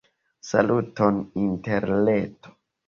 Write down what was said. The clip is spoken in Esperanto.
Saluton interreto!